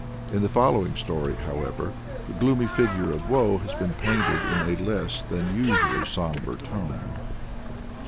In the following story, however, the gloomy figure of Woe has been painted in a less than usually sombre tone.